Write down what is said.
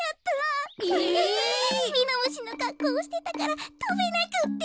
ミノムシのかっこうをしてたからとべなくって。